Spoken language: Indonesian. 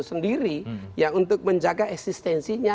sendiri ya untuk menjaga eksistensinya